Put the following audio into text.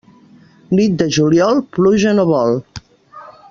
Nit de juliol pluja no vol.